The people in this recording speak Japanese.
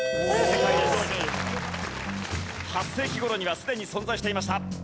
８世紀頃にはすでに存在していました。